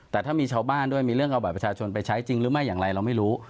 แต่ถ้ามีชาวบ้านด้วยมีเรื่องเอาบัตรประชาชนไปใช้จริงหรือไม่อย่างไรเราไม่รู้